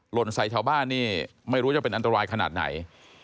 หล่นใส่ชาวบ้านนี่ไม่รู้จะเป็นอันตรายขนาดไหน